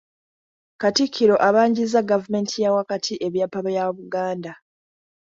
Katikkiro abanjizza gavumenti ya wakati ebyapa bya Buganda.